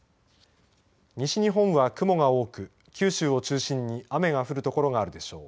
西日本は雲が多く九州を中心に雨が降る所があるでしょう。